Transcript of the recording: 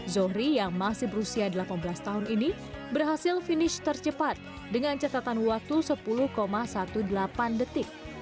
zohri yang masih berusia delapan belas tahun ini berhasil finish tercepat dengan catatan waktu sepuluh delapan belas detik